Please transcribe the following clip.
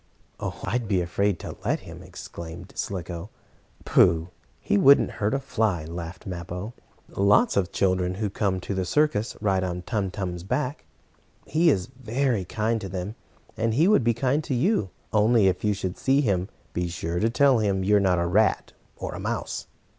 "Oh, I'd be afraid to let him!" exclaimed Slicko. "Pooh! He wouldn't hurt a fly!" laughed Mappo. "Lots of the children who come to the circus ride on Tum Tum's back. He is very kind to them, and he would be kind to you. Only, if you should see him, be sure to tell him you're not a rat or a mouse."